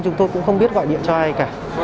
chúng tôi cũng không biết gọi điện cho ai cả